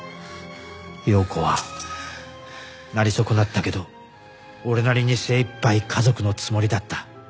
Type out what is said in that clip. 陽子はなり損なったけど俺なりに精いっぱい家族のつもりだった。